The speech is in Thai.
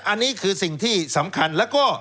อันนี้คือสิ่งที่สำคัญแล้วก็